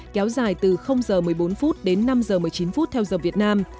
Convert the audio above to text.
kéo dài từ giờ một mươi bốn phút đến năm giờ một mươi chín phút theo dòng việt nam